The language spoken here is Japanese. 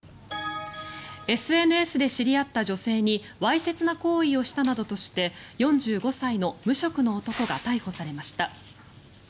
ＳＮＳで知り合った女性にわいせつな行為をしたなどとして４５歳の無職の男が逮捕されました。